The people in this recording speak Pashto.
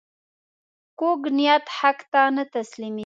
کوږ نیت حق ته نه تسلیمېږي